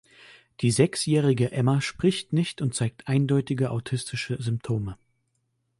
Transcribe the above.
Die sechsjährige Ema spricht nicht und zeigt eindeutige autistische Symptome.